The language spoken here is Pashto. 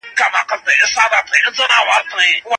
تشويش مه کوه هيڅوک مو تر منځ شخړه نسي جوړولای.